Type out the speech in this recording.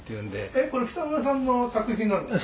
「えっこれ北村さんの作品なんですか？」